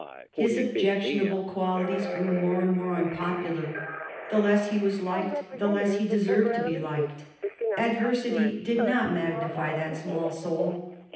His objectionable qualities grew more and more unpopular. The less he was liked the less he deserved to be liked. Adversity did not magnify that small soul.